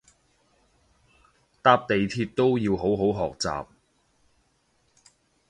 搭地鐵都要好好學習